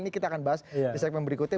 ini kita akan bahas di segmen berikutnya